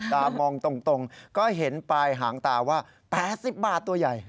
ตามองตรงก็เห็นปลายหางตาว่า๘๐บาทตัวใหญ่